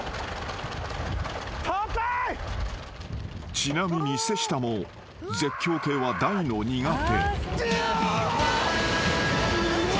［ちなみに瀬下も絶叫系は大の苦手］